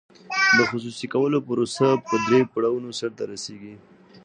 د خصوصي کولو پروسه په درې پړاوونو سر ته رسیږي.